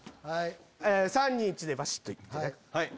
３・２・１でバシっといってね。